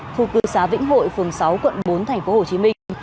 khu cư xá vĩnh hội phường sáu quận bốn tp hcm